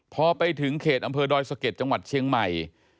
พอไปถึงเขตอำเภอดอยสะเก็ดจังหวัดเชียงใหม่